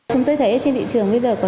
chúng tôi thấy trên thị trường bây giờ có